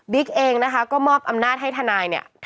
เองนะคะก็มอบอำนาจให้ทนายเนี่ย